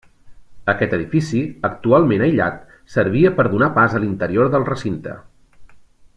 Aquest edifici, actualment aïllat, servia per donar pas a l'interior del recinte.